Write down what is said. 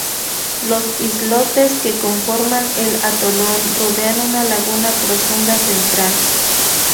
Los islotes que conforman el atolón rodean una laguna profunda central.